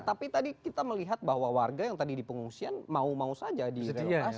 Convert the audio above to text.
tapi tadi kita melihat bahwa warga yang tadi dipengusian mau mau saja di relokasi